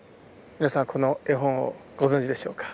皆さんこの絵本をご存じでしょうか？